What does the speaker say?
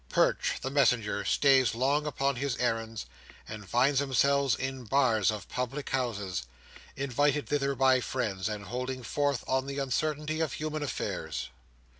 Perch, the messenger, stays long upon his errands; and finds himself in bars of public houses, invited thither by friends, and holding forth on the uncertainty of human affairs.